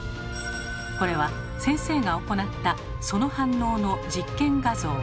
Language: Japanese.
これは先生が行ったその反応の実験画像。